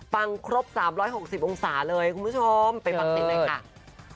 ครบ๓๖๐องศาเลยคุณผู้ชมไปฟังเสียงหน่อยค่ะ